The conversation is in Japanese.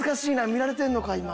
見られてるのか今。